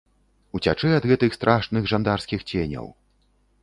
Уцячы ад гэтых страшных жандарскіх ценяў.